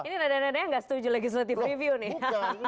ini nada nada yang nggak setuju legislative review nih